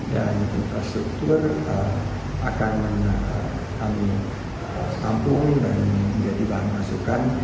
dan infrastruktur akan menambung kampung dan menjadi bahan masukan